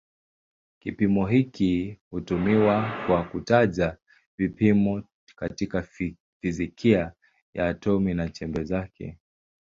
Kipimo hiki hutumiwa kwa kutaja vipimo katika fizikia ya atomi na chembe zake.